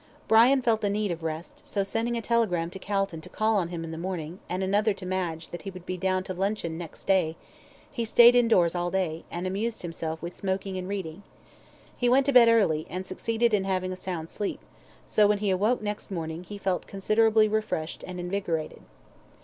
Brian felt the need of rest, so sending a telegram to Calton to call on him in the morning, and another to Madge, that he would be down to luncheon next day, he stayed indoors all day, and amused himself with smoking and reading. He went to bed early, and succeeded in having a sound sleep, so when he awoke next morning, he felt considerably refreshed and invigorated.